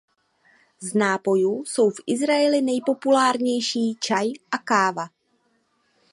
Z nápojů jsou v Izraeli nejpopulárnější čaj a káva.